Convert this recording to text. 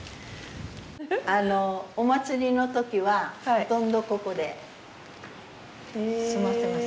お祭りの時はほとんどここで座ってます。